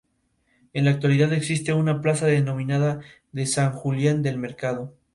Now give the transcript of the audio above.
En la actualidad existe una plaza denominada de "San Julián del Mercado".